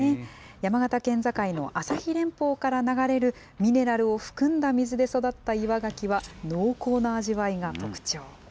山形県境の朝日連峰から流れる、ミネラルを含んだ水で育った岩ガキは濃厚な味わいが特徴。